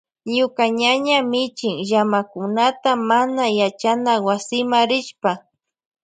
Ñuka ñaña michin llamakunata mana yachana wasima rishpa.